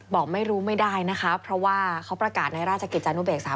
บอกไม่รู้ไม่ได้นะคะเพราะว่าเขาประกาศในราชกิจจานุเบกษา